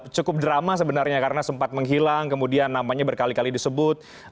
cukup drama sebenarnya karena sempat menghilang kemudian namanya berkali kali disebut